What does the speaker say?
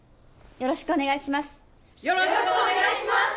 よろしくお願いします！